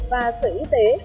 và sở y tế